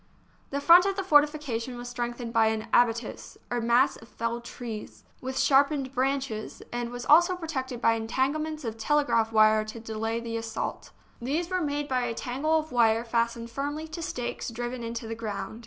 The front of the fortification was strengthened by an " abattis ,: or mass of felled trees, with sharpened branches, THE SIEGE OF VICKSBURG and was also protected by entanglements of tele graph wire to delay the assault. These were made by a tangle of wire fastened firmly to stakes driven into the ground.